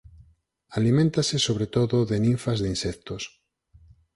Aliméntase sobre todo de ninfas de insectos.